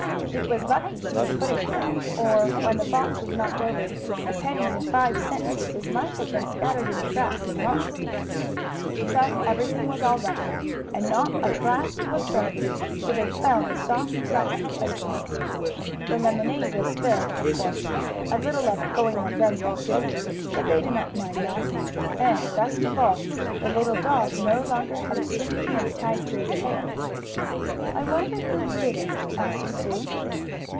It was lucky he had put it there, or, when the box was knocked over, the pennies and five cent pieces might have been scattered in the grass and lost. But everything was all right, and not a glass was broken, for they fell in soft, grassy places. The lemonade was spilled, of course, a little of it going on Bunny and Sue. But they did not mind that. And, best of all, the little dog no longer had a tin can tied to his tail. "I wonder who did it?" asked Sue.